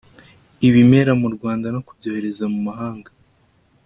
ibimera mu Rwanda no kubyohereza mu mahanga